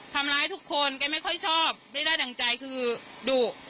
ทำร้ายทุกคนแกไม่ค่อยชอบไม่ได้ดั่งใจคือดุ